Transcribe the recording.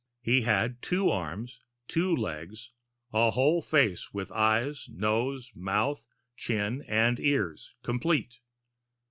He had two arms, two legs, a whole face with eyes, nose, mouth, chin, and ears, complete.